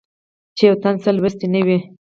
چې يو تن څۀ لوستي نۀ وي